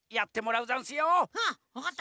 うんわかった。